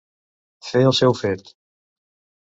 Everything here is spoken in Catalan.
Fer el seu fet.